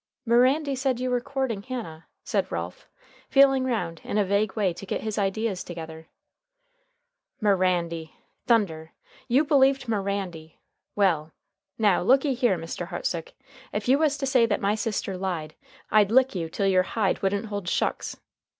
"Mirandy said you were courting Hannah," said Ralph, feeling round in a vague way to get his ideas together. "Mirandy! Thunder! You believed Mirandy! Well! Now, looky here, Mr. Hartsook, ef you was to say that my sister lied, I'd lick you till yer hide wouldn't hold shucks.